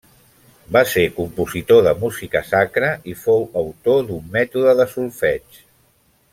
Va ser compositor de música sacra i fou autor d'un mètode de solfeig.